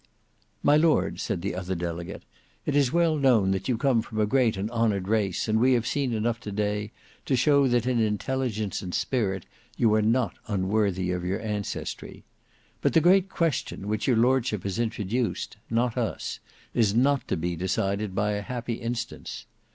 "My lord," said the other delegate, "it is well known that you come from a great and honoured race; and we have seen enough to day to show that in intelligence and spirit you are not unworthy of your ancestry. But the great question, which your lordship has introduced, not us, is not to be decided by a happy instance.